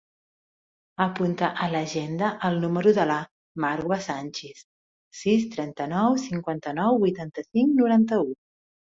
Apunta a l'agenda el número de la Marwa Sanchis: sis, trenta-nou, cinquanta-nou, vuitanta-cinc, noranta-u.